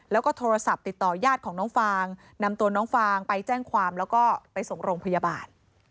แล้วก็โทรศัพท์ติดต่อยาดของน้องฟางนำตัวน้องฟางไปแจ้งความแล้วก็ไปส่งโรงพยาบาล